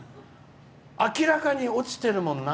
明らかに落ちてるもんな。